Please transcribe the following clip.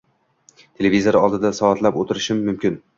Televizor oldida soatlab o'tirishim mumkun.